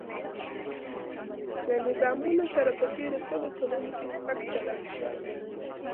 له نظامونو سره په تېرو سلو کلونو کې سپک چلن شوی.